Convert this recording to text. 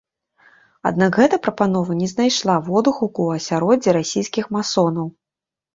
Аднак гэта прапанова не знайшла водгуку ў асяроддзі расійскіх масонаў.